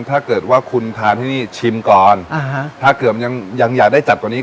ถ้าเกิดว่าคุณทานที่นี่ชิมก่อนอ่าฮะถ้าเกิดมันยังยังอยากได้จัดกว่านี้